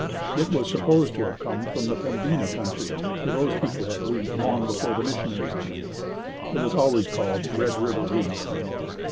It was supposed to have come from the Pembina country for those people had wheat long before the missionaries came. It was always called "Red River Wheat."